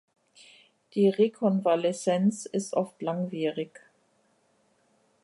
Die Rekonvaleszenz ist oft langwierig.